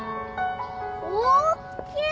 おっきい。